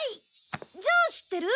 じゃあ知ってる？